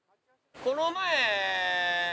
この前。